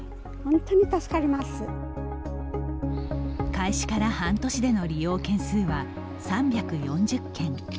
開始から半年での利用件数は３４０件。